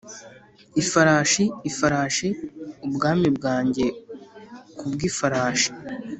ifarashi, ifarashi, ubwami bwanjye kubwifarashi